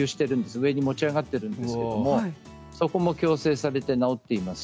上に持ち上がっているんですがそこも矯正されて治っています。